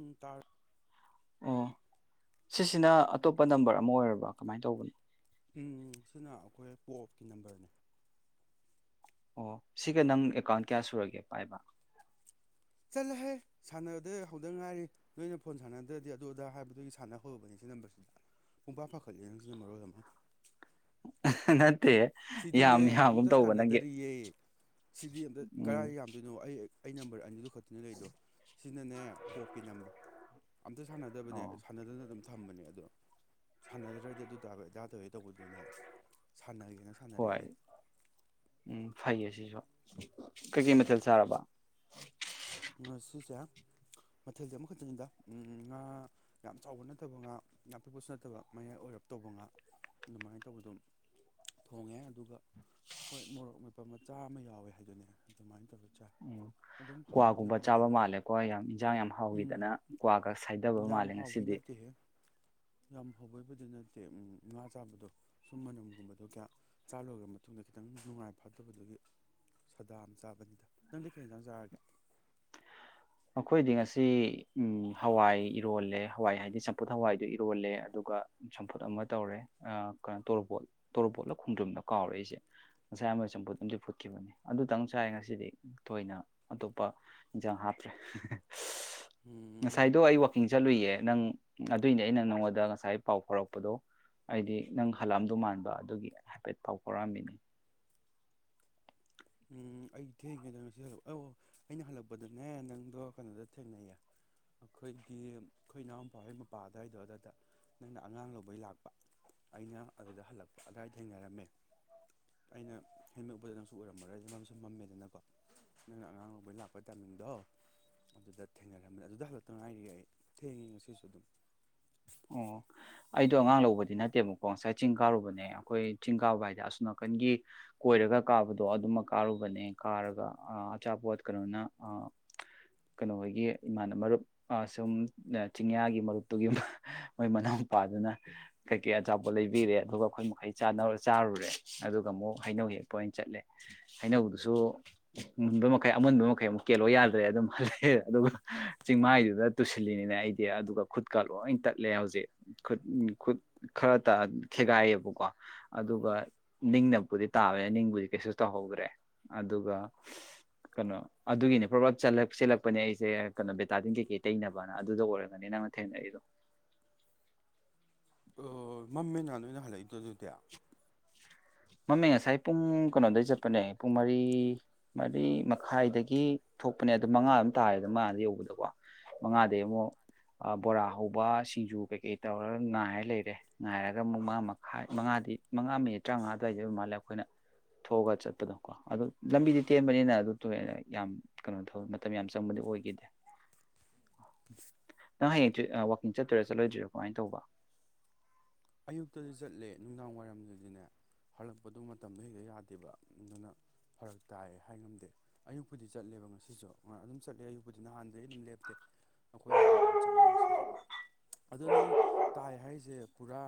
ꯎ ꯇꯥꯔ ꯑꯣ ꯁꯤꯁꯤꯅ ꯑꯇꯣꯞꯄ ꯅꯝꯕꯔ ꯑꯃ ꯑꯣꯏꯔꯕ ꯀꯃꯥꯏꯅ ꯇꯧꯕꯅꯤꯣ ꯎꯝ ꯁꯤꯅ ꯑꯩꯈꯣꯏ ꯄꯣ ꯑꯣꯞꯀꯤ ꯅꯝꯕꯔꯅꯤ ꯑꯣ ꯁꯤꯒ ꯅꯪ ꯑꯦꯀꯥꯎꯟ ꯀꯌꯥ ꯁꯨꯔꯒꯦ ꯄꯥꯏꯕ ꯆꯠꯂꯍꯦ ꯁꯥꯟꯅꯗ ꯍꯧꯗ ꯉꯥꯏꯔꯤ ꯅꯣꯏꯅ ꯐꯣꯟ ꯁꯥꯟꯅꯗ꯭ꯔꯗꯤ ꯑꯗꯨ ꯑꯗꯥ ꯍꯥꯏꯕꯗꯨꯒꯤ ꯁꯥꯟꯅꯍꯔꯕꯅꯤ ꯁꯤ ꯅꯝꯕꯔꯁꯤꯗ ꯄꯨꯡ ꯐꯥ ꯐꯥꯒꯠꯂꯤꯦ ꯅꯪ ꯁꯤꯅ ꯃꯔꯣꯏꯜ ꯑꯃ ꯑ ꯁꯤꯗꯤꯅꯦ ꯑꯝꯇ ꯁꯥꯟꯅꯗꯔꯤꯌꯦ ꯁꯤꯗꯤ ꯑꯝꯇ ꯎꯝ ꯀꯗꯥꯥꯏ ꯌꯥꯝꯗꯣꯏꯅꯣ ꯑꯩ ꯑꯩ ꯅꯝꯕꯔ ꯑꯅꯤꯗꯨ ꯈꯛꯇꯨꯅ ꯂꯩꯗꯣ ꯁꯤꯅꯅꯦ ꯄꯣꯞꯀꯤ ꯅꯝꯕꯔ ꯑꯝꯇ ꯁꯥꯟꯅꯗꯕꯅꯦ ꯑꯣ ꯁꯥꯟꯅꯗꯅ ꯑꯗꯨꯝ ꯊꯝꯕꯅꯦ ꯑꯗꯣ ꯁꯥꯟꯅꯗ꯭ꯔꯗꯤ ꯑꯗꯨ ꯇꯥꯕ ꯑꯗꯥ ꯇꯧꯋꯦ ꯇꯧꯕꯗꯨꯅꯦ ꯁꯥꯟꯅꯒꯦꯅ ꯍꯣꯏ ꯁꯥꯟꯅꯔꯛꯏꯅꯦ ꯎꯝ ꯐꯥꯏꯌꯦꯁꯦ ꯁꯤꯁꯨ ꯀꯩꯀꯩ ꯃꯊꯦꯜ ꯁꯥꯔꯕ ꯉꯥ ꯁꯤꯁꯦ ꯃꯊꯦꯜꯁ ꯑꯃꯈꯛꯇꯪꯅꯤꯗ ꯉꯥ ꯌꯥꯝ ꯆꯥꯎꯕ ꯅꯠꯇꯕ ꯉꯥ ꯌꯥꯝ ꯄꯤꯛꯄꯁꯨ ꯅꯠꯇꯕ ꯃꯌꯥꯏ ꯑꯣꯏꯔꯞ ꯇꯧꯕ ꯉꯥ ꯑꯗꯨꯃꯥꯏꯅ ꯇꯧꯕ ꯑꯗꯨꯝ ꯊꯣꯡꯉꯦ ꯑꯗꯨꯒ ꯍꯣꯏ ꯃꯣꯔꯣꯛ ꯃꯩꯄ ꯃꯆꯥ ꯑꯃ ꯌꯥꯎꯋꯦ ꯍꯥꯏꯗꯨꯅꯦ ꯑꯗꯨꯃꯥꯏꯅ ꯇꯧꯔ ꯎꯝ ꯑꯗꯨꯝ ꯍꯥꯎꯕꯗꯤ ꯀ꯭ꯋꯥꯒꯨꯝꯕ ꯍꯥꯎꯋꯦ ꯆꯥꯕ ꯍꯣꯏ ꯃꯥꯜꯂꯦꯀꯣ ꯌꯥꯝ [unintelligible] ꯎꯝ ꯍꯥꯎꯈꯤꯗꯅ ꯀ꯭ꯋꯥꯒ ꯁꯥꯏꯊꯕ ꯌꯥꯝ ꯃꯥꯜꯂꯦ ꯍꯥꯎꯕꯩ ꯉꯁꯤꯗꯤ ꯅꯠꯇꯦꯍꯦ ꯌꯥꯝ ꯍꯧꯕꯣꯏꯕꯗꯤ ꯅꯠꯇꯦ ꯉꯥ ꯆꯥꯕꯗꯣ ꯁꯨꯝ ꯃꯅꯝꯒꯨꯝꯕꯗꯣ ꯀꯌꯥ ꯆꯥ ꯂꯣꯏꯔꯕ ꯃꯇꯨꯡꯗ ꯈꯤꯇꯪ ꯅꯨꯡꯉꯥꯏ ꯐꯗꯕꯗꯨꯒꯤ ꯁꯥꯗꯥ ꯑꯃ ꯆꯥꯕꯅꯤꯗ ꯅꯪꯗꯤ ꯀꯩ ꯌꯦꯇ ꯆꯥꯔꯒꯦ ꯑꯩꯈꯣꯏꯗꯤ ꯉꯁꯤ ꯍꯋꯥꯏ ꯏꯔꯣꯜꯂꯦ ꯍꯋꯥꯏ ꯍꯥꯏꯗꯤ ꯆꯝꯐꯨꯠ ꯍꯋꯥꯏꯗꯨ ꯏꯔꯣꯜꯂꯦ ꯑꯗꯨꯒ ꯆꯝꯐꯨꯠ ꯑꯃ ꯇꯧꯔꯦ ꯀꯩꯅꯣ ꯇꯣꯔꯣꯕꯣꯠ ꯇꯣꯔꯕꯣꯠꯂ ꯈꯣꯡꯗ꯭ꯔꯨꯝꯗ ꯀꯥꯎꯔꯦꯏꯁꯦ ꯉꯁꯥꯏ ꯑꯃ ꯆꯝꯐꯨꯠ ꯑ ꯐꯨꯠꯈꯤꯕꯅꯦ ꯑꯗꯨꯇꯪ ꯆꯥꯏ ꯉꯁꯤꯗꯤ ꯊꯣꯏꯅ ꯑꯇꯣꯞꯄ ꯏꯟꯖꯥꯡ ꯍꯥꯞ [inaudible] ꯎꯝ ꯉꯁꯥꯏꯗꯣ ꯑꯩ ꯋꯥ ꯏꯤꯡ ꯆꯠꯂꯨꯏꯌꯦ ꯅꯪ ꯑꯗꯨꯏꯅꯦ ꯑꯩꯅ ꯅꯪꯉꯣꯟꯗ ꯉꯁꯥꯏ ꯄꯥꯎ ꯐꯥꯎꯔꯛꯄꯗꯣ ꯑꯩꯗꯤ ꯅꯪ ꯍꯜꯂꯛꯑꯝꯗꯣ ꯃꯥꯟꯕ ꯑꯗꯨꯒꯤ ꯍꯥꯏꯐꯦꯠ ꯄꯥꯎ ꯐꯥꯎꯔꯛꯑꯝꯃꯤꯅꯤ ꯑꯩ ꯊꯦꯡꯒꯦꯗ ꯅꯁꯤ ꯍꯜꯂꯛ ꯑꯧ ꯑꯩꯅ ꯍꯜꯂꯛꯄꯗꯅꯦ ꯅꯪꯗꯣ ꯀꯩꯅꯣꯗ ꯊꯦꯡꯅꯩꯌꯦ ꯑꯩꯈꯣꯏꯒꯤ ꯑꯩꯈꯣꯏ ꯏꯅꯥꯎꯄꯥꯩ ꯃꯄꯥ ꯑꯗꯨꯋꯥꯏꯗꯣ ꯑꯗꯨꯏꯗ ꯅꯪꯅ ꯑꯉꯥꯡ ꯂꯧꯕꯩ ꯂꯥꯛꯄ ꯑꯩꯅ ꯑꯗꯨꯗ ꯍꯜꯂꯛꯄ ꯑꯗꯨ꯭ꯋꯥꯏꯗ ꯊꯦꯡꯅꯔꯝꯃꯦ ꯑꯩꯅ ꯍꯦꯟꯃꯦꯄꯗ ꯅꯪꯁꯨ ꯑꯣꯏꯔꯝ ꯉꯝꯃꯔꯣꯏ ꯑꯗꯨ ꯃꯝꯁꯨ ꯃꯝꯃꯦꯗꯅꯀꯣ ꯅꯪꯅ ꯑꯉꯥꯡꯕꯩ ꯂꯥꯛꯄꯩ ꯇꯥꯏꯃꯤꯡꯗꯣ ꯑꯗꯨꯗ ꯊꯦꯡꯅꯔꯝꯃꯦꯅꯤ ꯑꯗꯨꯗ ꯍꯐꯠꯇ ꯉꯥꯏꯔꯤꯒꯦ ꯑꯩ ꯊꯦꯡꯉꯦ ꯉꯁꯤꯁꯨ ꯑꯗꯨꯝ ꯑꯣ ꯑꯩꯗꯣ ꯑꯉꯥꯡ ꯂꯧꯕꯗꯤ ꯅꯠꯇꯦꯕꯀꯣ ꯉꯁꯥꯏ ꯆꯤꯡ ꯀꯥꯔꯨꯕꯅꯦ ꯑꯩꯈꯣꯏ ꯆꯤꯡ ꯀꯥꯕ ꯍꯥꯏꯗꯤ ꯑꯁꯣ ꯅꯥꯀꯟꯒꯤ ꯀꯣꯏꯔꯒ ꯀꯥꯕꯗꯣ ꯑꯗꯨꯃꯛ ꯀꯥꯔꯨꯕꯅꯦ ꯀꯥꯔꯒ ꯑꯆꯥꯄꯣꯠ ꯀꯩꯅꯣꯅ ꯀꯩꯅꯣ ꯍꯣꯏꯒꯤ ꯏꯃꯥꯅ ꯃꯔꯨꯞ ꯁꯨꯝ ꯆꯤꯡꯌꯥꯒꯤ ꯃꯔꯨꯞꯇꯨꯒꯤ ꯃꯣꯏ ꯃꯅꯥꯎ ꯃꯄꯥꯗꯨꯅ ꯀꯩꯀꯩ ꯑꯆꯥꯄꯣꯠ ꯂꯩꯕꯤꯔꯦ ꯑꯗꯨꯒ ꯑꯩꯈꯣꯏ ꯃꯈꯩ ꯆꯥꯔꯨꯔꯦ ꯑꯗꯨꯒ ꯑꯃꯨꯛ ꯍꯩꯅꯧ ꯍꯦꯛꯄ ꯑꯣꯏꯅ ꯆꯠꯂꯦ ꯍꯩꯅꯧꯗꯨꯁꯨ ꯃꯨꯟꯕ ꯃꯈꯩ ꯑꯃꯨꯟꯕ ꯃꯈꯩ ꯑꯃꯨꯛ ꯀꯦꯜꯂꯣ ꯌꯥꯗ꯭ꯔꯦ ꯑꯗꯨꯝ ꯍꯜꯂꯦ ꯑꯗꯨꯒ ꯆꯤꯡꯃꯥꯏꯗꯨꯗ ꯇꯨꯁꯤꯜꯂꯤꯅꯤꯅꯦ ꯑꯩꯗꯤ ꯑꯗꯨꯒ ꯈꯨꯠꯀ ꯂꯣꯏ ꯇꯠꯂꯦ ꯍꯧꯖꯤꯛ ꯈꯨꯠ ꯈꯨꯠ ꯈꯔꯇ ꯈꯦꯒꯥꯏꯌꯦꯕꯀꯣ ꯑꯗꯨꯒ ꯅꯤꯡꯅꯕꯕꯨꯗꯤ ꯇꯥꯕꯅ ꯅꯤꯡꯕꯨꯗꯤ ꯀꯩꯁꯨ ꯇꯧꯍꯧꯗ꯭ꯔꯦ ꯑꯗꯨꯒ ꯀꯩꯅꯣ ꯑꯗꯨꯒꯤꯅꯤ ꯄ꯭ꯔꯣꯕꯞ ꯆꯦꯜꯂꯛꯄꯅꯦ ꯑꯩꯁꯦ ꯀꯩꯅꯣ ꯕꯦꯇꯥꯇꯤꯟ ꯀꯩꯀꯩ ꯇꯩꯅꯕꯅ ꯑꯗꯨꯗ ꯑꯣꯏꯔꯒꯅꯤ ꯅꯪꯅ ꯊꯦꯡꯅꯔꯤꯗꯣ ꯑꯣ ꯃꯃꯦꯅ ꯅꯣꯏꯅ ꯍꯜꯂꯛꯏꯗꯗꯨꯗꯤ ꯃꯃꯤꯡ ꯉꯁꯥꯏ ꯄꯨꯡ ꯀꯩꯅꯣꯗꯒꯤꯩ ꯆꯠꯄꯅꯦ ꯄꯨꯡ ꯃꯔꯤ ꯃꯔꯤ ꯃꯈꯥꯏꯗꯒꯤ ꯊꯣꯛꯄꯅꯦ ꯑꯗꯨ ꯃꯉꯥ ꯑꯗꯨꯝ ꯇꯥꯔꯦꯗ ꯃꯉꯥꯗ ꯌꯧꯕꯗꯀꯣ ꯃꯉꯥꯗꯒꯤꯩ ꯑꯃꯨꯛ ꯕꯣꯔꯥ ꯍꯧꯕ ꯁꯤꯡꯖꯨ ꯀꯩꯀꯩ ꯇꯧꯔꯒ ꯉꯥꯏꯔ ꯂꯩꯔꯦ ꯉꯥꯏꯔꯒ ꯑꯃꯨꯛ ꯃꯉꯥ ꯃꯈꯥꯏ ꯃꯉꯥꯗꯤ ꯃꯉꯥ ꯃꯤꯅꯤꯠ ꯇꯔꯥꯃꯉꯥ ꯑꯗꯨꯏꯗꯕ ꯃꯥꯜꯂꯦ ꯑꯩꯈꯣꯏꯅ ꯊꯣꯛꯑꯒ ꯆꯠꯄꯗꯣ ꯀꯣ ꯑꯗꯨ ꯂꯝꯕꯤꯗꯤ ꯇꯦꯟꯕꯅꯤꯅ ꯑꯗꯨ ꯌꯥꯝ ꯀꯩꯅꯣꯧ ꯃꯇꯝ ꯌꯥꯝ ꯆꯪꯕꯗꯤ ꯑꯣꯏꯈꯤꯗꯦ ꯅꯪ ꯍꯌꯦꯡ ꯋꯀꯤꯡ ꯆꯠꯇꯣꯏꯔꯥ ꯆꯠꯂꯣꯏꯗꯣꯏꯔꯣ ꯀꯃꯥꯏꯅ ꯇꯧꯕ ꯑꯌꯨꯛꯇꯗꯤ ꯆꯠꯂꯦ ꯅꯨꯡꯗꯥꯡ ꯋꯥꯏꯔꯝꯗꯗꯤꯅꯦ ꯍꯔꯂꯛꯄꯗꯣ ꯃꯇꯝꯗꯣ ꯍꯦꯛꯇ ꯌꯥꯗꯦꯕ ꯑꯗꯨꯅ ꯐꯔꯛ ꯇꯥꯏ ꯍꯥꯏ ꯉꯝꯗꯦ ꯑꯌꯨꯛꯄꯨꯗꯤ ꯆꯠꯂꯦꯕ ꯉꯁꯤꯁꯨ ꯉ ꯑꯗꯨꯝ ꯆꯠꯂꯦ ꯑꯌꯨꯛꯄꯨꯗꯤ ꯅꯍꯥꯟꯗꯒꯤ ꯑꯗꯨꯝ ꯂꯦꯞꯇꯦ ꯑꯩꯈꯣꯏ ꯑꯍꯨꯝꯕ ꯑꯗꯨꯝ ꯆꯠꯂꯦ ꯉꯁꯤꯁꯨ ꯑꯗꯨꯗꯣ ꯅꯪ ꯇꯥꯏ ꯍꯥꯏꯔꯤꯁꯦ ꯄꯨꯔꯥ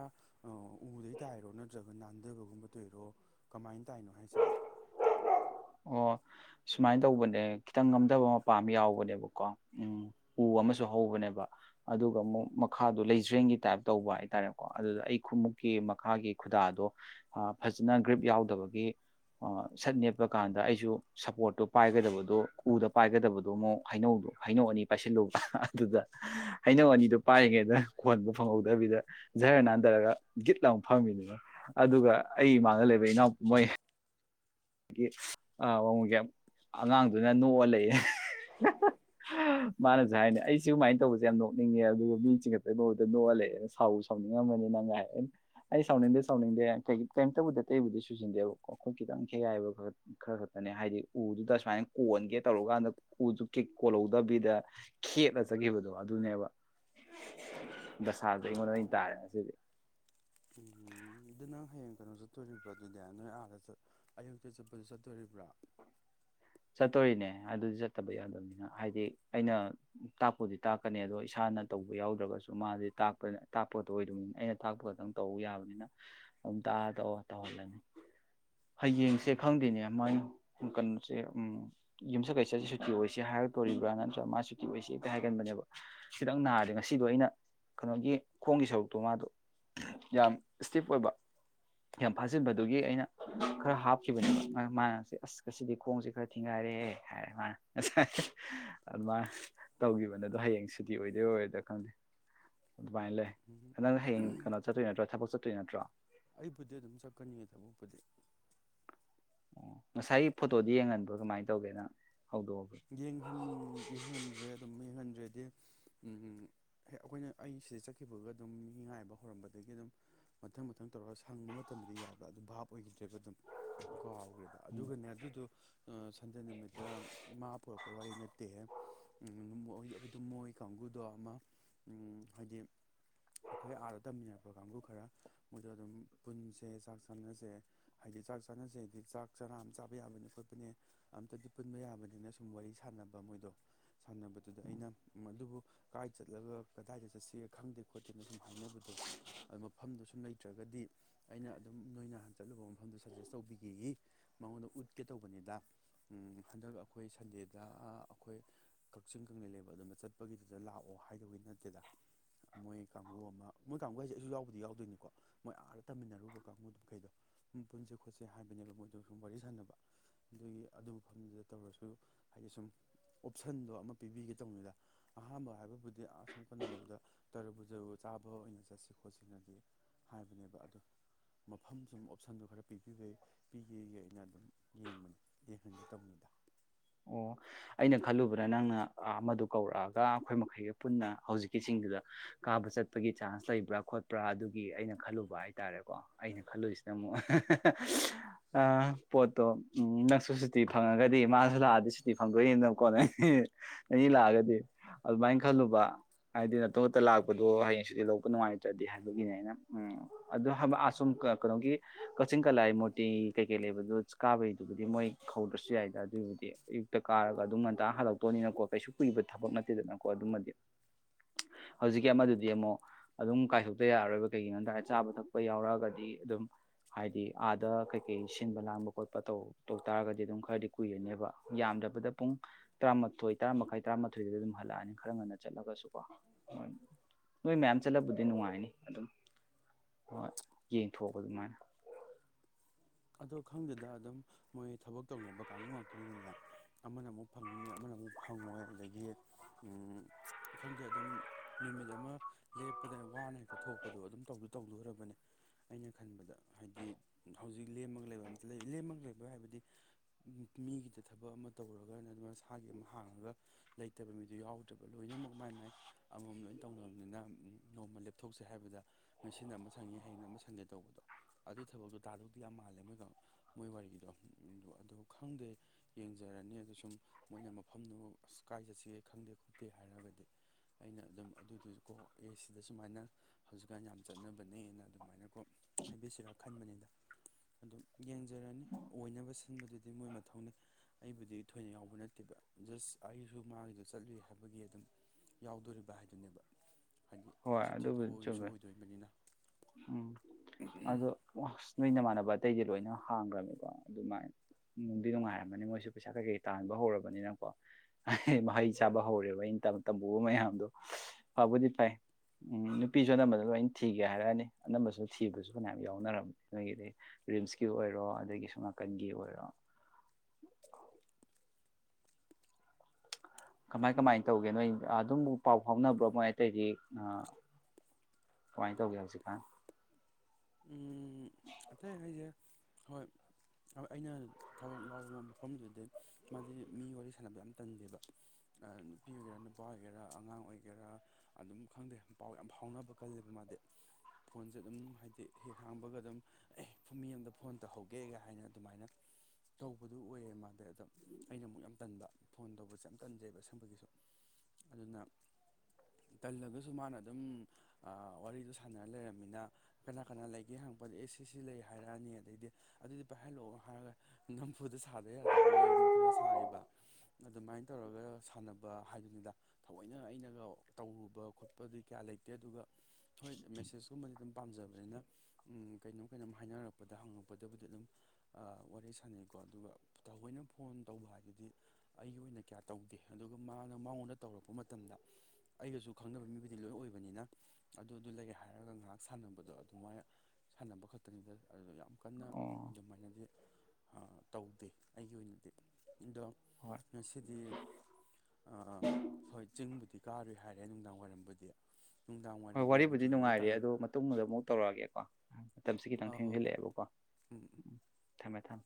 ꯎꯗꯩ ꯇꯥꯏꯔꯣ ꯅꯠꯇ꯭ꯔꯒ ꯅꯥꯟꯊꯕꯒꯨꯝꯕ ꯇ ꯑꯣꯏꯔꯣ ꯀꯃꯥꯏꯅ ꯇꯥꯏꯅꯣ ꯍꯥꯏꯁꯤꯕꯣ ꯑꯣ ꯁꯨꯃꯥꯏꯅ ꯇꯧꯕꯅꯦ ꯈꯤꯇꯪ ꯉꯝꯗꯕ ꯃꯄꯥ ꯑꯃ ꯌꯥꯎꯕꯅꯦꯕꯀꯣ ꯎꯝ ꯎ ꯑꯃꯁꯨ ꯍꯧꯕꯅꯦꯕ ꯑꯗꯨꯒ ꯑꯃꯨꯛ ꯃꯈꯥꯗꯣ ꯂꯩꯖ꯭ꯔꯦꯡꯒꯤ ꯇꯥꯏꯞ ꯇꯧꯕ ꯍꯥꯏꯇꯥꯔꯦꯀꯣ ꯑꯗꯨꯗ ꯑꯩ ꯈꯨꯃꯨꯛꯀꯤ ꯃꯈꯥꯒꯤ ꯈꯨꯗꯥꯗꯣ ꯐꯖꯅ ꯒ꯭ꯔꯤꯞ ꯌꯥꯎꯗꯕꯒꯤ ꯁꯠꯅꯦꯞ ꯆꯠꯄ ꯀꯥꯟꯗ ꯑꯩꯁꯨ ꯁꯞꯄꯣꯔꯠꯇꯣ ꯄꯥꯏꯒꯗꯕꯗꯣ ꯎꯗ ꯄꯥꯏꯒꯗꯕꯗꯨꯣ ꯑꯃꯨꯛ ꯍꯩꯅꯧꯗꯣ ꯍꯩꯅꯧ ꯑꯅꯤ ꯄꯥꯏꯁꯤꯜꯂꯨꯕꯗ ꯑꯗꯨꯗ ꯍꯩꯅꯧ ꯑꯅꯤꯗꯨꯣ ꯄꯥꯏꯔꯤꯉꯩꯗ ꯈꯣꯟꯕ ꯐꯪꯍꯧꯗꯕꯤꯗ ꯖꯔ ꯅꯥꯟꯊꯔꯒ ꯒꯤꯠ ꯂ ꯐꯪꯃꯤꯅꯤꯅ ꯑꯗꯨꯒ ꯑꯩ ꯏꯃꯥꯡꯗ ꯂꯩꯕ ꯏꯅꯥꯎ ꯃꯣꯏ ꯑꯗꯒꯤ ꯃꯨꯡꯁꯦ ꯌꯥꯝ ꯑꯉꯥꯡꯗꯨꯅ ꯅꯣꯛꯑ ꯂꯩꯑꯦ ꯃꯥꯅꯁꯨ ꯍꯥꯏꯅꯤ ꯑꯩꯁꯨ ꯁꯨꯃꯥꯏꯅ ꯇꯧꯕꯁꯦ ꯌꯥꯝ ꯅꯣꯛꯅꯤꯡꯉꯦ ꯑꯗꯨꯒ ꯃꯤ ꯆꯤꯡꯈꯄꯣꯏ ꯐꯕꯨꯗ ꯅꯣꯛꯑꯂꯑꯦꯅ ꯁꯥꯎ ꯁꯥꯎꯅꯤꯡꯉꯝꯕꯅꯤꯅ ꯅ ꯉꯥꯏ ꯑꯩ ꯁꯥꯎꯅꯤꯡꯗꯦ ꯁꯥꯎꯅꯤꯡꯗꯦ ꯀꯩꯝꯇꯕꯨꯗꯤꯇꯩꯕꯨꯗꯤ ꯁꯨꯁꯤꯟꯗꯦꯕꯀꯣ ꯑꯩꯈꯣꯏ ꯈꯤꯇꯪ ꯍꯦꯛ ꯍꯥꯏꯕ ꯈꯔ ꯈꯛꯇꯅꯦ ꯍꯥꯏꯗꯤ ꯎꯗꯨꯗ ꯁꯨꯃꯥꯏꯅ ꯀꯣꯟꯒꯦ ꯇꯧꯔ ꯀꯥꯟꯗ ꯎꯁꯨ ꯀꯣꯜꯍꯧꯗꯕꯤꯗ ꯈꯦꯠꯂ ꯆꯈꯤꯕꯗꯣ ꯑꯗꯨꯅꯦꯕ ꯗꯁꯥꯁꯨ ꯑꯩꯉꯣꯟꯗ ꯑ ꯇꯥꯔꯦ ꯉꯁꯤꯗꯤ ꯎꯝ ꯑꯗꯨ ꯅꯪ ꯍꯌꯦꯡ ꯀꯩꯅꯣ ꯆꯠꯇꯣꯔꯤꯕ꯭ꯔꯣ ꯑꯗꯨꯗꯤ ꯅꯣꯏ ꯑꯥꯗ ꯑꯌꯨꯛꯇ ꯆꯠꯄꯗꯨ ꯆꯠꯇꯣꯔꯤꯕ꯭ꯔꯥ ꯆꯠꯇꯣꯔꯤꯅꯦ ꯑꯗꯨꯗꯤ ꯆꯠꯇꯕ ꯌꯥꯗꯕꯅꯤꯅ ꯍꯥꯏꯗꯤ ꯑꯩꯅ ꯇꯥꯛꯄꯗꯤ ꯇꯥꯛꯀꯅꯤ ꯑꯗꯣ ꯏꯁꯥꯅ ꯇꯧꯕ ꯌꯥꯎꯗ꯭ꯔꯒꯁꯨ ꯃꯥꯗꯤ ꯇꯥꯛꯄ ꯇꯥꯛꯄꯗꯣ ꯑꯣꯏꯗꯕꯅꯤꯅ ꯑꯩꯅ ꯇꯥꯛꯄ ꯈꯛꯇꯪ ꯇꯧꯕ ꯌꯥꯕꯅꯤꯅ ꯑꯗꯨꯝ ꯇꯥꯛꯑ ꯇꯧꯔ ꯇꯧꯍꯜꯂꯅꯤ ꯍꯌꯦꯡꯁꯦ ꯈꯪꯗꯦꯅꯦ ꯃꯥꯥꯏ [unintelligible] ꯌꯨꯝꯁꯀꯩ ꯆꯠꯁꯦ ꯁꯨꯇꯤ ꯑꯣꯏꯁꯤꯦ ꯍꯥꯏꯔꯛꯇꯣꯔꯤꯕ꯭ꯔꯥ ꯅꯠꯇ꯭ꯔꯒ ꯃꯥ ꯁꯨꯇꯤ ꯑꯣꯏꯁꯤ ꯍꯦꯛꯇ ꯍꯥꯏꯒꯟꯕꯅꯦꯕ ꯈꯤꯇꯪ ꯅꯥꯔꯦ ꯉꯁꯤꯗꯣ ꯑꯩꯅ ꯀꯩꯅꯣꯒꯤ ꯈꯣꯡꯒꯤ ꯁꯔꯨꯛꯇꯣ ꯃꯥꯗꯣ ꯌꯥꯝ ꯏꯁꯇꯤꯞ ꯑꯣꯏꯕ ꯌꯥꯝ ꯐꯥꯖꯤꯟꯕꯗꯨꯒꯤ ꯑꯩꯅ ꯈꯔ ꯍꯥꯞꯈꯤꯕꯅꯦꯕ ꯃꯥꯅꯁꯦ ꯑꯁ ꯉꯁꯤꯗꯤ ꯈꯣꯡꯁꯦ ꯈꯔ ꯊꯤꯡꯒꯥꯏꯔꯦ ꯍꯥꯏꯔꯦ ꯃꯥꯅ ꯉꯥꯏ ꯑꯗꯨ ꯃꯥꯅ ꯇꯧꯈꯤꯕꯅꯗꯣ ꯍꯌꯦꯡ ꯁꯨꯇꯤ ꯑꯣꯏꯗꯣꯏ ꯑꯣꯏꯔꯣꯏꯗ ꯈꯪꯗꯦ ꯑꯗꯨꯃꯥꯏꯅ ꯂꯩ ꯎꯝ ꯅꯪ ꯍꯌꯦꯡ ꯀꯩꯅꯣ ꯆꯠꯇꯣꯏ ꯅꯠꯇ꯭ꯔꯣ ꯊꯕꯛ ꯆ ꯅꯠꯇ꯭ꯔꯥ ꯑꯩꯕꯨꯗꯤ ꯑꯗꯨꯝ ꯆꯠꯀꯅꯤ ꯊꯕꯛꯄꯨꯗꯤ ꯑꯣ ꯉꯁꯥꯏꯒꯤ ꯐꯣꯇꯣꯗꯤ ꯌꯦꯡꯍꯟꯕ꯭ꯔꯥ ꯀꯃꯥꯏꯅ ꯇꯧꯒꯦꯅ ꯌꯦꯡꯟ ꯌꯦꯡꯍꯟꯗ꯭ꯔꯦ ꯑꯗꯨꯝ ꯌꯦꯡꯍꯟꯗ꯭ꯔꯦ ꯑ ꯍꯦꯛ ꯑꯩꯈꯣꯏꯅ ꯑꯩ ꯁꯤꯗ ꯆꯠꯈꯤꯕꯒ ꯑꯗꯨꯝꯉꯥꯏꯕ ꯍꯧꯔꯝꯕꯗꯒꯤ ꯑꯗꯨꯝ ꯃꯊꯪ ꯃꯊꯪ ꯇꯧꯔꯒ ꯁꯪꯕ ꯃꯇꯝꯗꯗꯤ ꯌꯥꯣ ꯍꯥꯏꯕ ꯑꯗꯨꯝ ꯚꯥꯞ ꯑꯣꯏꯈꯤꯗ꯭ꯔꯦꯕ ꯑꯗꯨꯝ ꯀꯥꯎꯈ꯭ꯔꯦꯕ ꯎꯝ ꯑꯗꯨꯒꯅꯦ ꯑꯗꯨꯗꯣ ꯁꯟꯗꯦ ꯅꯨꯃꯤꯠꯇ ꯄꯨꯔꯛꯄꯩ ꯋꯥꯔꯤ ꯅꯠꯇꯦ ꯃꯣꯏ ꯀꯥꯡꯕꯨꯗꯣ ꯑꯃ ꯍꯥꯏꯗꯤ ꯑꯩꯈꯣꯏ ꯑꯥꯗ ꯇꯝꯃꯤꯟꯅꯄ ꯀꯥꯡꯒ ꯈꯔ ꯃꯣꯏꯗꯣ ꯑꯗꯨꯝ ꯄꯨꯟꯁꯦ ꯆꯥꯛ ꯆꯥꯅꯁꯦ ꯍꯥꯏꯗꯤ ꯆꯥꯛ ꯆꯥꯅꯁꯦ ꯍꯥꯏꯗꯤ ꯆꯥꯛ ꯆꯔꯥ ꯑꯃ ꯆꯥꯕ ꯌꯥꯕꯅꯤ ꯈꯣꯠꯄꯅꯦ ꯑꯝꯇꯗꯤ ꯄꯨꯟꯕ ꯌꯥꯕꯅꯤ ꯑꯩꯅ ꯁꯨꯝ ꯋꯥꯔꯤ ꯁꯥꯟꯅꯕ ꯃꯣꯏꯗꯣ ꯁꯥꯟꯅꯕꯗꯨꯗ ꯑꯩꯅ ꯑꯗꯨꯕꯨ ꯀꯗꯥꯥꯏꯗ ꯆꯠꯂꯒ ꯀꯗꯥꯏꯗ ꯆꯠꯁꯤꯒꯦ ꯈꯪꯗꯦ ꯈꯣꯠꯇꯦꯅ ꯁꯨꯝ ꯍꯥꯏꯅꯕꯗꯣ ꯑꯗꯨ ꯃꯐꯝꯗꯣ ꯁꯨꯝ ꯂꯩꯇ꯭ꯔꯒꯗꯤ ꯑꯩꯅ ꯑꯗꯨꯝ ꯅꯣꯏꯅ ꯆꯠꯂꯨꯕ ꯃꯐꯝꯗꯣ ꯁꯖꯦꯁ ꯇꯧꯕꯤꯈꯤ ꯃꯉꯣꯟꯗ ꯎꯠꯀꯦ ꯇꯧꯕꯅꯤꯗ ꯍꯟꯗꯛ ꯑꯩꯈꯣꯏ ꯁꯟꯗꯦꯗ ꯑꯩꯈꯣꯏ ꯀꯛꯆꯤꯡ ꯀꯪꯂꯩ ꯂꯩꯕ ꯑꯗꯨꯃ ꯆꯠꯄꯒꯤꯗꯨꯗ ꯂꯥꯛꯑꯣ ꯍꯥꯏꯗꯕꯒꯤ ꯅꯠꯇꯦꯗ ꯃꯣꯏ ꯀꯥꯡꯕꯨ ꯑꯃ ꯃꯣꯏ ꯀꯥꯡꯕꯨ ꯍꯥꯏꯁꯦ ꯑꯩꯁꯨ ꯌꯥꯎꯕꯨꯗꯤ ꯌꯥꯎꯗꯣꯏꯅꯤꯀꯣ ꯃꯣꯏ ꯑꯥꯔ ꯇꯝꯃꯤꯟꯅ ꯄꯨꯟꯁꯦ ꯈꯣꯠꯁꯦ ꯍꯥꯏꯕꯅꯦꯕ ꯃꯣꯏꯗ ꯁꯨꯝ ꯋꯥꯔꯤ ꯁꯥꯟꯅꯕ ꯑꯗꯨꯒꯤ ꯑꯗꯨ ꯃꯐꯝꯗꯨꯗ ꯇꯧꯔꯁꯨ ꯍꯥꯏꯗꯤ ꯁꯨꯝ ꯑꯣꯞꯁꯟꯗꯣ ꯑꯃ ꯄꯤꯕꯤꯒꯦ ꯇꯧꯕꯅꯤꯗ ꯑꯍꯥꯟꯕ ꯍꯥꯏꯕꯕꯨꯗꯤ ꯑꯁꯨꯝ ꯀꯩꯅꯔꯣꯝꯗ ꯇꯔꯨꯕꯨ ꯆꯔꯨ ꯆꯥꯕ ꯑꯣꯏꯅ ꯆꯠꯁꯤ ꯈꯣꯠꯁꯤꯅꯗꯤ ꯍꯥꯏꯕꯅꯦꯕ ꯑꯗ ꯃꯐꯝ ꯁꯨꯝ ꯑꯣꯞꯁꯟꯗꯣ ꯈꯔ ꯄꯤꯕꯤꯕꯩ ꯄꯤꯒꯒꯤ ꯑꯩꯅ ꯑꯗꯨꯝ ꯌꯦꯡꯕꯅꯦ ꯌꯦꯡꯍꯟꯒꯦ ꯇꯧꯕꯅꯤꯗ ꯑꯣ ꯑꯩꯅ ꯈꯜꯂꯨꯕꯗ ꯅꯪꯅ ꯑꯃꯗꯨ ꯀꯧꯔꯛꯑꯒ ꯑꯩꯈꯣꯏ ꯃꯈꯩꯒ ꯄꯨꯟꯅ ꯍꯧꯖꯤꯛꯀꯤ ꯁꯤꯡꯗꯨꯗ ꯀꯥꯕ ꯆꯠꯄꯒꯤ ꯆꯥꯟꯁ ꯂꯩꯕ꯭ꯔꯥ ꯈꯣꯠꯄ꯭ꯔꯥ ꯑꯗꯨꯒꯤ ꯑꯩꯅ ꯈꯜꯂꯨꯕ ꯍꯥꯏ ꯇꯥꯔꯦꯀꯣ ꯑꯩꯅ ꯈꯜꯂꯨꯁꯤꯅ ꯑꯃꯨꯛ ꯄꯣꯠꯇꯣ ꯅꯪꯁꯨꯨ ꯁꯨꯇꯤ ꯐꯪꯉꯒꯗꯤ ꯃꯥ ꯂꯥꯛꯑꯗꯤ ꯁꯨꯇꯤ ꯐꯪꯗꯣꯏꯅꯤꯗꯕꯀꯣꯅ ꯑꯅꯤ ꯂꯥꯛꯑꯒꯗꯤ ꯑꯗꯨꯃꯥꯏꯅ ꯈꯜꯂꯨꯕ ꯍꯥꯏꯗꯤ ꯅꯇꯣ ꯉꯇ ꯂꯥꯛꯄꯗꯣ ꯍꯌꯦꯡ ꯁꯨꯇꯤ ꯂꯧꯕ ꯅꯨꯡꯉꯥꯏꯇ꯭ꯔꯗꯤ ꯍꯥꯏꯕꯒꯤꯅꯦ ꯑꯩꯅ ꯎꯝ ꯑꯗꯨ ꯑꯁꯨꯝ ꯀꯩꯅꯣꯒꯤ ꯆꯤꯡꯀꯂꯑ ꯃꯣꯇꯤ ꯀꯩꯀꯩ ꯂꯩꯕꯗꯨ ꯀꯥꯕꯩꯗꯨꯕꯨꯗꯤ ꯃꯣꯏ ꯀꯧꯗ꯭ꯔꯁꯨ ꯌꯥꯏꯗ ꯑꯗꯨꯒꯤꯕꯨꯗꯤ ꯑꯌꯨꯛꯇ ꯀꯥꯔꯒ ꯑꯗꯨꯝ ꯉꯟꯇꯥ ꯍꯜꯂꯛꯇꯣꯏꯅꯤꯅꯀꯣ ꯀꯩꯁꯨ ꯀꯨꯏꯕ ꯊꯕꯛ ꯅꯠꯇꯦꯗꯅꯀꯣ ꯑꯗꯨꯃꯗꯤ ꯍꯧꯖꯤꯛꯀꯤ ꯑꯃꯗꯗꯤ ꯑꯃꯨꯛ ꯑꯗꯨꯝ ꯀꯥꯏꯊꯣꯛꯇ ꯌꯥꯔꯔꯣꯏꯕ ꯀꯩꯒꯤꯅꯣ ꯍꯥꯏꯔ ꯆꯥꯕ ꯊꯛꯄ ꯌꯥꯎꯔꯛꯑꯒꯗꯤ ꯑꯗꯨꯝ ꯍꯥꯏꯗꯤ ꯑꯥꯗ ꯀꯩꯀꯩ ꯁꯤꯟꯕ ꯂꯥꯟꯕ ꯈꯣꯠꯄ ꯇꯧ ꯇꯧ ꯇꯥꯔꯒꯗꯤ ꯑꯗꯨꯝ ꯈꯔꯗꯤ ꯀꯨꯏꯔꯅꯦꯕ ꯌꯥꯝꯗ꯭ꯔꯕꯗ ꯄꯨꯡ ꯇꯔꯥꯃꯥꯊꯣꯏ ꯇꯔꯥꯃꯥꯏ ꯇꯔꯥꯃꯥꯊꯣꯏꯗ ꯑꯗꯨꯝ ꯍꯜꯂꯛꯑꯅꯤ ꯈꯔ ꯉꯟꯅ ꯆꯠꯂꯒꯁꯨꯀꯣ ꯍꯣꯏ ꯅꯣꯏ ꯃꯌꯥꯝ ꯆꯠꯂꯕꯨꯗꯤ ꯅꯨꯡꯉꯥꯏꯅꯤ ꯑꯗꯨꯝ ꯍꯣꯏ ꯌꯦꯡꯊꯣꯛꯕ ꯑꯗꯨꯃꯥꯏꯅ ꯑꯗꯣ ꯈꯪꯗꯗ ꯑꯗꯨꯝ ꯃꯣꯏ ꯊꯕꯛ ꯇꯧꯅꯕ ꯀꯥꯡꯕꯨ ꯉꯥꯛꯇꯅꯤꯗꯅꯦ ꯑꯃꯅ ꯑꯃꯨꯛ ꯐꯪꯉ ꯑꯃꯅ ꯑꯃꯨꯛ ꯐꯪꯉꯣꯏ ꯑꯗꯒꯤ ꯈꯪꯗꯦ ꯑꯗꯨꯝ ꯅꯨꯃꯤꯠ ꯑꯃ ꯂꯦꯞꯄꯗ ꯋꯥꯅ ꯍꯦꯛꯇ ꯊꯣꯛꯄꯗꯣ ꯑꯗꯨꯝ ꯇꯧꯗꯣꯔꯕꯅꯦ ꯑꯩꯅ ꯈꯟꯕꯗ ꯍꯥꯏꯗꯤ ꯍꯧꯖꯤꯛ ꯂꯦꯝꯃꯛꯒ ꯂꯩꯕ ꯑꯝꯇ ꯂꯩ ꯂꯦꯝꯃꯒ ꯂꯩꯕ ꯍꯥꯏꯕꯗꯤ ꯃꯤꯒꯤꯗ ꯊꯕꯛ ꯑꯃ ꯇꯧꯔꯒ ꯅ ꯃꯁꯥꯒꯤ ꯑꯃ ꯍꯥꯡꯉꯒ ꯂꯩꯇꯕ ꯃꯤꯗꯨ ꯌꯥꯎ ꯅꯠꯇ꯭ꯔꯕ ꯂꯣꯏꯅꯃꯛ ꯃꯥꯏ ꯃꯥꯏ ꯑꯃꯉꯝ ꯂꯣꯏ ꯇꯧꯅꯕꯅꯕꯅꯤꯅ ꯅꯣꯡꯃ ꯂꯦꯞꯊꯣꯛꯆꯦ ꯍꯥꯏꯕꯗ ꯉꯁꯤꯅ ꯑꯃ ꯁꯪꯉꯦ ꯍꯌꯦꯡ ꯑꯃ ꯁꯪꯒꯦ ꯇꯧꯕꯗꯣ ꯑꯗꯨꯒꯤ ꯊꯕꯛꯇꯣ ꯇꯥ ꯌꯥꯝ ꯃꯥꯜꯂꯦ ꯃꯣꯏꯗꯣ ꯃꯣꯏ ꯋꯥꯔꯤꯒꯤꯗꯣ ꯑꯗꯨ ꯑꯗꯨ ꯈꯪꯗꯦ ꯌꯦꯡꯖꯔꯅꯤ ꯑꯣ ꯁꯨꯝ ꯃꯣꯏꯅ ꯃꯐꯝꯗꯣ ꯑꯁ ꯀꯥꯏ ꯆꯠꯁꯤꯒꯦ ꯈꯪꯗꯦ ꯈꯣꯠꯇꯦ ꯍꯥꯏꯔꯒꯗꯤ ꯑꯩꯅ ꯑꯗꯨꯝ ꯑꯗꯨꯗꯨꯁꯨ ꯀꯣ ꯑꯦ ꯁꯤꯗ ꯁꯨꯃꯥꯏꯅ ꯍꯧꯖꯤꯛꯀꯥꯟ ꯌꯥꯝ ꯆꯠꯅꯕꯅꯦꯅ ꯑꯗꯨꯃꯥꯏꯅ ꯀꯣ ꯍꯥꯏꯕꯤꯁꯤꯔꯥ ꯈꯟꯕꯅꯤꯗ ꯑꯗꯨꯝ ꯌꯦꯡꯖꯔꯅꯤ ꯑꯣꯏꯅꯕ ꯁꯤꯟꯕꯗꯨꯗꯤ ꯃꯣꯏ ꯃꯊꯧꯅꯤ ꯑꯩꯕꯨꯗꯤ ꯊꯣꯏꯅ ꯌꯥꯎꯕ ꯅꯠꯇꯦꯕ ꯖꯁ ꯑꯩꯁꯨ ꯃꯥꯒꯤꯗ ꯆꯠꯂꯨꯏ ꯍꯥꯏꯕꯒꯤ ꯑꯗꯨꯝ ꯌꯥꯎꯗꯣꯔꯤꯕ ꯍꯥꯏꯗꯨꯅꯦꯕ ꯍꯥꯏꯗꯤ ꯍꯣꯏ ꯁꯨꯇꯤꯗꯨ ꯑꯗꯨꯕꯨꯗꯤ ꯑꯣꯏꯔꯁꯨ ꯆꯨꯝꯕꯦ ꯑꯣꯏꯗꯣꯏꯕꯅꯤꯅ ꯎꯝ ꯑꯗ ꯅꯣꯏ ꯅꯃꯥꯟꯅꯕ ꯑꯇꯩꯗꯤ ꯂꯣꯏꯅ ꯍꯥꯡꯈ꯭ꯔꯅꯤꯀꯣ ꯑꯗꯨꯃꯥꯏꯅ ꯅꯨꯡꯗꯤ ꯅꯨꯡꯉꯥꯏꯔꯝꯕꯅꯤ ꯃꯣꯏꯁꯨ ꯄꯩꯁꯥ ꯀꯩꯀꯩ ꯇꯥꯍꯟꯕ ꯍꯧꯔꯕꯅꯤꯅꯀꯣ ꯃꯍꯩ ꯆꯥꯕ ꯍꯧꯔꯦꯕ ꯇꯝꯕꯨ ꯃꯌꯥꯝꯗꯣ ꯐꯕꯨꯗꯤ ꯐꯩ ꯎꯝ ꯅꯨꯄꯤꯁꯨ ꯑꯅꯝꯕꯗ ꯂꯣꯏ ꯊꯤꯒꯦ ꯍꯥꯏꯔꯛꯑꯅꯤ ꯑꯅꯝꯕꯁꯨ ꯊꯤꯕꯁꯨ ꯐꯅꯌꯥꯝ ꯌꯥꯎꯅꯔꯕꯅꯤ ꯅꯣꯏꯒꯤꯗꯤ ꯔꯤꯝꯁꯀꯤ ꯑꯣꯏꯔꯣ ꯑꯗꯒꯤ ꯁꯣꯝ ꯅꯥꯀꯟꯒꯤ ꯑꯣꯏꯔꯣ ꯀꯃꯥꯏ ꯀꯃꯥꯏꯅ ꯇꯧꯒꯦ ꯅꯣꯏ ꯑꯗꯨꯝꯕꯨ ꯄꯥꯎ ꯐꯥꯎꯅꯕ꯭ꯔꯣ ꯃꯣꯏ ꯑꯇꯩꯗꯤ ꯀꯃꯥꯏꯅ ꯇꯧꯒꯦ ꯍꯧꯖꯤꯛꯀꯥꯟ ꯑꯇꯩ ꯍꯥꯏꯁꯦ ꯍꯣꯏ ꯑꯩꯅ ꯊꯕꯛ ꯌꯥꯎꯕ ꯃꯐꯝꯗꯨꯗꯤ ꯃꯥꯗꯤ ꯃꯤ ꯋꯥꯔꯤ ꯁꯥꯟꯅꯕ ꯌꯥꯝ ꯇꯟꯗꯦꯕ ꯅꯨꯄꯤ ꯑꯣꯏꯒꯦꯔꯥ ꯅꯨꯄꯥ ꯑꯣꯏꯒꯦꯔꯥ ꯑꯉꯥꯡ ꯑꯣꯏꯒꯦꯔꯥ ꯑꯗꯨꯝ ꯈꯪꯗꯦ ꯄꯥꯎ ꯌꯥꯝ ꯐꯥꯎꯅꯕ ꯀꯜꯂꯦꯕ ꯃꯥꯗꯤ ꯐꯣꯟꯁꯦ ꯑꯗꯨꯝ ꯍꯥꯏꯗꯤ ꯍꯦꯛ ꯍꯥꯡꯕꯒ ꯑꯗꯨꯝ ꯑꯦ ꯐꯨꯝ ꯃꯤ ꯑꯃꯗ ꯐꯣꯟ ꯇꯧꯍꯧꯒꯦꯒ ꯍꯥꯏꯅ ꯑꯗꯨꯃꯥꯏꯅ ꯇꯧꯕꯗꯨ ꯑꯣꯏꯌꯦ ꯃꯥꯗ ꯑꯩꯅ ꯑꯃꯨꯛ ꯌꯥꯝ ꯇꯟꯕ ꯐꯣꯟ ꯇꯧꯕꯁꯦ ꯌꯥꯝ ꯇꯟꯖꯩꯑꯕ ꯑꯁꯪꯕꯒꯤꯁꯨ ꯑꯗꯨꯅ ꯀꯜꯂꯒꯁꯨ ꯃꯥꯅ ꯑꯗꯨꯝ ꯋꯥꯔꯤꯗꯣ ꯁꯥꯟꯅꯔ ꯂꯩꯔꯝꯃꯤꯅ ꯀꯅꯥ ꯀꯅꯥ ꯂꯩꯒꯦ ꯍꯪꯛꯄ ꯑꯦ ꯁꯤ ꯁꯤ ꯂꯩ ꯍꯥꯏꯔꯛꯑꯅꯤ ꯑꯗꯩꯗꯤ ꯑꯗꯨꯗꯤ ꯄꯥꯏꯍꯜꯂꯣꯑꯣ ꯍꯥꯏꯔꯒ ꯅꯝꯐꯨꯗ ꯁꯥꯗ ꯌꯥꯗꯕꯒꯤ ꯑꯗꯨꯝ ꯈꯔ ꯁꯥꯈꯤꯕ ꯑꯗꯨꯃꯥꯏꯅ ꯇꯧꯔꯒ ꯁꯥꯟꯅꯕ ꯍꯥꯏꯕꯅꯤꯗ ꯊꯑꯣꯏꯅ ꯑꯩꯅꯒ ꯇꯧꯔꯨꯕ ꯈꯣꯠꯄꯗꯤ ꯀꯌꯥ ꯂꯩꯇꯦ ꯑꯗꯨꯒ ꯊꯣꯏ ꯃꯦꯁꯦꯁꯀꯨꯝꯕꯗꯤ ꯑꯗꯨꯝ ꯄꯥꯝꯖꯕ ꯀꯩꯅꯣꯝ ꯀꯩꯅꯣꯝ ꯍꯥꯏꯅꯔꯛꯄꯗ ꯍꯪꯉꯛꯄꯗꯕꯨꯗꯤ ꯑꯗꯨꯝ ꯋꯥꯔꯤ ꯁꯥꯟꯅꯩꯀꯣ ꯑꯗꯨꯒ ꯇꯑꯣꯏꯅ ꯐꯣꯟ ꯇꯧꯕ ꯍꯥꯏꯗꯨꯗꯤ ꯑꯩꯒꯤ ꯑꯣꯏꯅ ꯀꯌꯥ ꯇꯧꯗꯦ ꯑꯗꯨꯒ ꯃꯥꯅ ꯃꯉꯣꯟꯗ ꯇꯧꯔꯛꯄ ꯃꯇꯝꯗ ꯑꯩꯒꯁꯨ ꯈꯪꯅꯕ ꯃꯤꯕꯨꯗꯤ ꯂꯣꯏ ꯑꯣꯏꯕꯅꯤꯅ ꯑꯗꯨ ꯑꯗꯨ ꯂꯩꯔꯦ ꯍꯥꯏꯔꯒ ꯉꯥꯏꯍꯥꯛ ꯁꯥꯟꯅꯕꯗꯣ ꯑꯗꯨꯃꯥꯏꯅ ꯁꯥꯟꯅꯕ ꯈꯛꯇꯅꯤꯗ ꯑꯗꯨ ꯌꯥꯝ ꯀꯟꯅ ꯑꯣ ꯑꯗꯨꯃꯥꯏꯅꯗꯤ ꯇꯧꯗꯦ ꯑꯩꯒꯤ ꯑꯣꯏꯅꯗꯤ ꯑꯗꯣ ꯍꯣꯏ ꯉꯁꯤꯗꯤ ꯍꯣꯏ ꯆꯤꯡꯕꯨꯗꯤ ꯀꯥꯔꯣꯏ ꯍꯥꯏꯔꯦ ꯅꯨꯡꯗꯥꯡ ꯋꯥꯏꯔꯝꯕꯨꯗꯤ ꯅꯨꯡꯗꯥꯡ ꯍꯣꯏ ꯋꯥꯏꯔꯝ ꯋꯥꯔꯤꯕꯨꯗꯤ ꯌꯧꯗ꯭ꯔꯤꯉꯩꯒꯤ ꯅꯨꯡꯉꯥꯏꯔꯤ ꯇꯥꯂꯛ ꯃꯇꯝꯁꯤ ꯈꯤꯇꯪ ꯊꯦꯡꯖꯤꯜꯂꯛꯑꯦꯕꯀꯣ ꯎꯝ ꯊꯝꯃꯦ ꯊꯝꯃꯦ